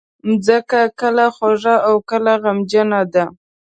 مځکه کله خوږه او کله غمجنه ده.